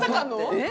えっ？